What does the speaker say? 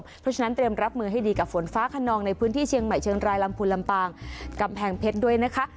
เพราะฉะนั้นเตรียมรับมือให้ดีกับฝนฟ้าขนองในพื้นที่เชียงใหม่เชียงรายลำพูนลำปางกำแพงเพชรด้วยนะคะ